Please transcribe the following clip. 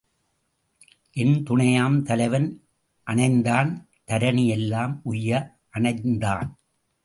என் துணையாம் தலைவன் அணைந்தான் தரணி எலாம் உய்ய அணைந்தான்.